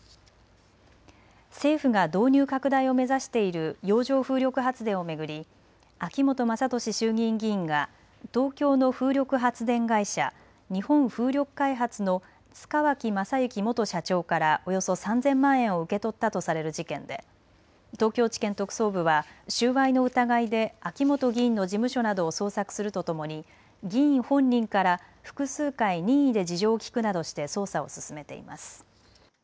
政府が導入拡大を目指している洋上風力発電を巡り秋本真利衆議院議員が東京の風力発電会社、日本風力開発の塚脇正幸元社長からおよそ３０００万円を受け取ったとされる事件で東京地検特捜部は収賄の疑いで秋本議員の事務所などを捜索するとともに議員本人から複数回、任意で事情を聴くなどして捜査を進めています。